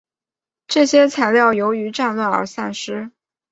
这些材料由于战乱而散失。